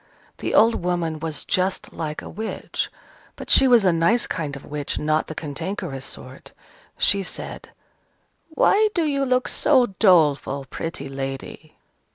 The old woman was just like a witch: but she was a nice kind of witch, not the cantankerous sort. She said, "Why do you look so doleful, pretty lady?"